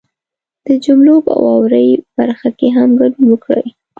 د جملو په واورئ برخه کې هم ګډون وکړئ